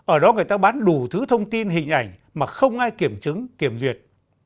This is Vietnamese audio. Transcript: ở đó người ta bán đủ thứ thông tin hình ảnh mà không ai kiểm chứng kiểm duyệt